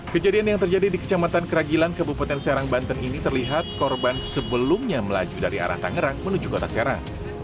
kejadian yang terjadi di kecamatan keragilan kabupaten serang banten ini terlihat korban sebelumnya melaju dari arah tangerang menuju kota serang